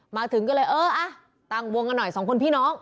มาถึงก็เลยเอออ่ะตั้งวงกันหน่อยสองคนพี่น้อง